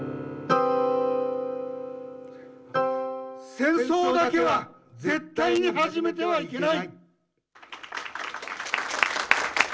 戦争だけは絶対にはじめてはいけない。